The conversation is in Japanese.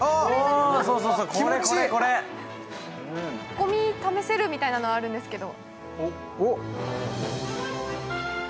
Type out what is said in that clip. ごみ試せるみたいなのがあるんですけど。